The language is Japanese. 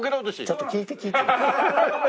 ちょっと聞いて聞いて。